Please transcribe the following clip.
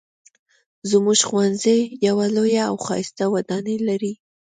زموږ ښوونځی یوه لویه او ښایسته ودانۍ لري